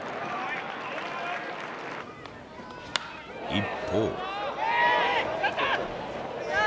一方。